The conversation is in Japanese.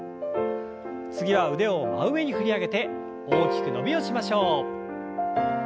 次は腕を真上に振り上げて大きく伸びをしましょう。